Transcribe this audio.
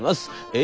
「え？